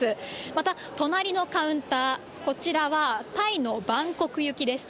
また、隣のカウンター、こちらは、タイのバンコク行きです。